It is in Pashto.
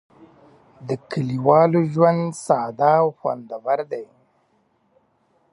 د کلیوالو ژوند ساده او خوندور دی.